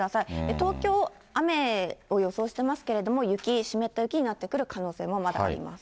東京、雨を予想してますけれども、雪、湿った雪になってくる可能性もまだあります。